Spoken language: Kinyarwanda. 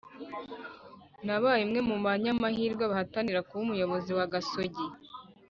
nabaye umwe mu banyamahirwe bahatanira kuba umuyobozi wa Gasogi